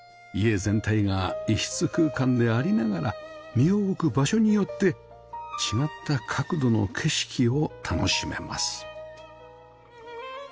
家全体が一室空間でありながら身を置く場所によって違った角度の景色を楽しめます